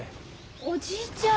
おじいちゃん。